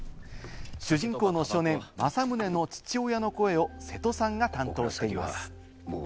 主人公の少年・正宗の父親の声を瀬戸さんが担当しています。